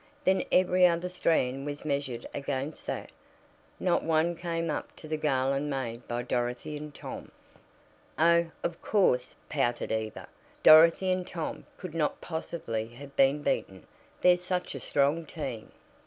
Then every other strand was measured against that. Not one came up to the garland made by Dorothy and Tom. "Oh, of course," pouted Eva, "Dorothy and Tom could not possibly have been beaten. They're such a strong team!"